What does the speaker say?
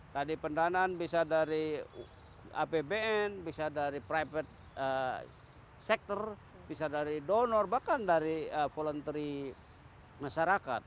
tadi pendanaan bisa dari apbn bisa dari private sector bisa dari donor bahkan dari voluntary masyarakat